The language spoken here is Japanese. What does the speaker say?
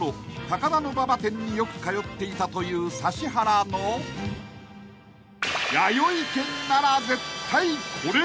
高田馬場店によく通っていたという指原のやよい軒なら絶対これ］